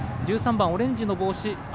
１３番、オレンジの帽子。